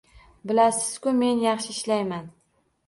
Bilasiz-ku meni… yaxshi ishlayman